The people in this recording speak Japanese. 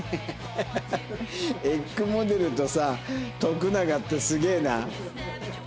『ｅｇｇ』モデルとさ徳永ってすげえな！